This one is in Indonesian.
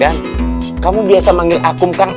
dan kamu biasa manggil akum kan